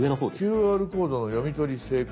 「ＱＲコードの読み取り成功」。